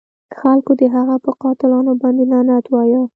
خلکو د هغه په قاتلانو باندې لعنت وایه.